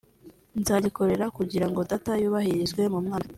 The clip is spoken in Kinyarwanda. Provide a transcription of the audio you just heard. nzagikorera kugira ngo Data yubahirizwe mu mwana we